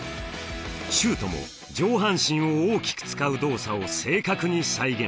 シュートも上半身を大きく使う動作を正確に再現。